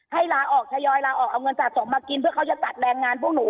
ลาออกทยอยลาออกเอาเงินสะสมมากินเพื่อเขาจะตัดแรงงานพวกหนู